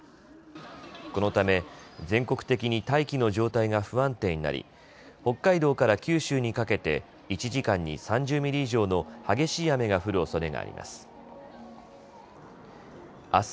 このため全国的に大気の状態が不安定になり北海道から九州にかけて１時間に３０ミリ以上の激しい雨が降るおそれがあります。